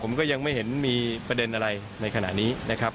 ผมก็ยังไม่เห็นมีประเด็นอะไรในขณะนี้นะครับ